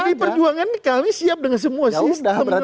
pdi perjuangan ini kali ini siap dengan semua sistem